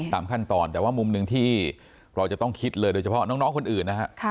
ตามขั้นตอนแต่ว่ามุมหนึ่งที่เราจะต้องคิดเลยโดยเฉพาะน้องคนอื่นนะฮะ